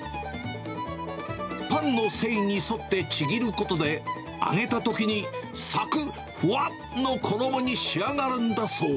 パンの繊維に沿ってちぎることで、揚げたときにさくっ、ふわっの衣に仕上がるんだそう。